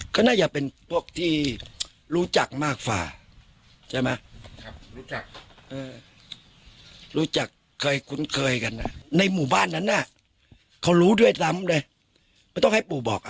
เขารู้ด้วยคำว่าไง